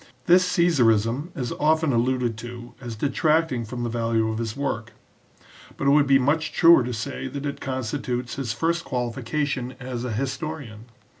This Caesarism is often alluded to as detracting from the value of his work, but it would be much truer to say that it constitutes his first qualification as a historian.